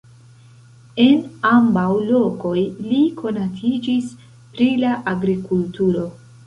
En ambaŭ lokoj li konatiĝis pri la agrikulturo.